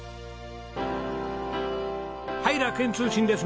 はい楽園通信です。